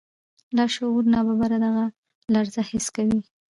لاشعور ناببره دغه لړزه حس کوي.